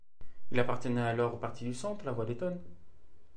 Il appartenait alors au parti du centre, la Voie lettonne.